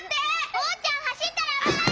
おうちゃんはしったらあぶない！